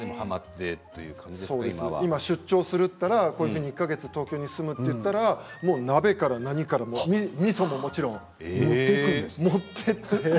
今は出張するといったら１か月東京に住むと言ったら鍋から何からみそももちろん持ってきて。